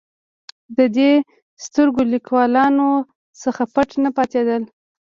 د دې سترګور لیکوالانو څخه پټ نه پاتېدل.